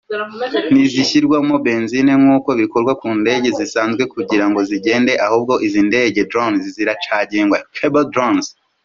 ntizishyirwamo ‘Benzine’ nk’uko bikorwa ku ndege zisanzwe kugira ngo zigende ahubwo izi ndege (Drones) ziracagingwa (Chargeable Drones)